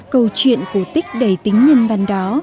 câu chuyện cổ tích đầy tính nhân văn đó